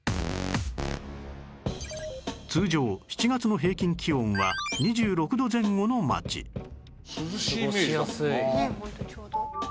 通常７月の平均気温は２６度前後の町涼しいイメージだけどな。